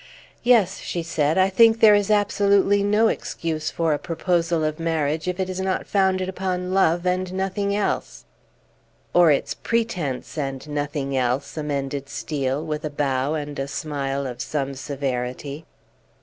"Yes," she said, "I think there is absolutely no excuse for a proposal of marriage, if it is not founded upon love and nothing else!" "Or its pretence and nothing else," amended Steel, with a bow and a smile of some severity.